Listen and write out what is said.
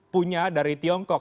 punya dari tiongkok